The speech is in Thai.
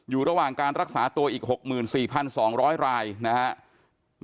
อยู่ระหว่างการรักษาตัวอีก๖๔๒๐๐รายนะครับ